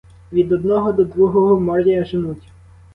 Від одного до другого моря женуть.